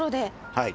はい。